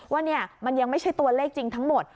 ว่ามันยังไม่ใช่ตัวเลขจริงทั้งหมด